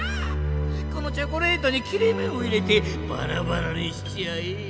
このチョコレートに切れ目を入れてバラバラにしちゃえ！